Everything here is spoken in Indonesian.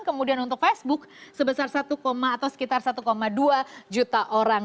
kemudian untuk facebook sebesar satu atau sekitar satu dua juta orang